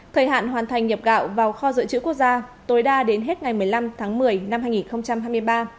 thời hạn hoàn thành nhập gạo vào kho dự trữ quốc gia tối đa đến hết ngày một mươi năm tháng một mươi năm hai nghìn hai mươi ba